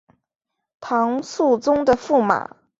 唐肃宗的驸马。